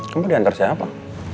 kamu diantar siapa